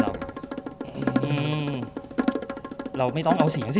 นี่เราไม่ต้องเอาเสียงสิ